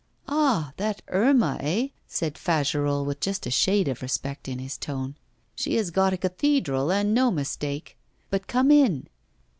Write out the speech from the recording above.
'Ah! that Irma, eh?' said Fagerolles with just a shade of respect in his tone. 'She has got a cathedral and no mistake! But come in.